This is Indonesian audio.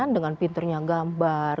dengan pinturnya gambar